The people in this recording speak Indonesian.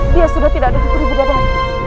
dia sudah tidak ada puri bidadari